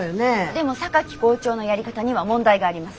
でも榊校長のやり方には問題があります。